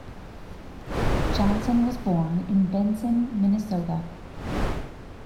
Johnson was born in Benson, Minnesota.